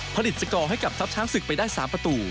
สกอร์ให้กับทัพช้างศึกไปได้๓ประตู